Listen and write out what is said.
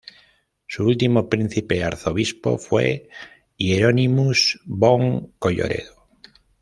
Su último príncipe-arzobispo fue Hieronymus von Colloredo.